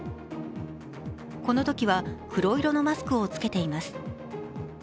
このときは黒色のマスクを着けています。